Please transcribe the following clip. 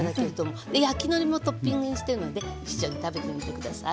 焼きのりもトッピングしてるので一緒に食べてみて下さい。